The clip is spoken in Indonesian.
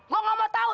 gue gak mau tau